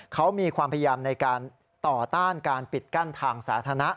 เขามีความพยายามในการต่อต้านการปิดกั้นทางสาธารณะ